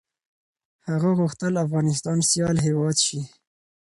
هغه غوښتل افغانستان سيال هېواد شي.